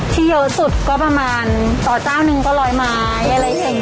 ที่เยอะสุดก็ประมาณต่อเจ้าหนึ่งก็ร้อยไม้อะไรอย่างนี้